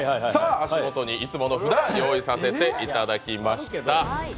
足元にいつもの札用意させていただきました。